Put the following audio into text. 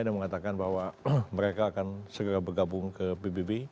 dan mengatakan bahwa mereka akan segera bergabung ke pbb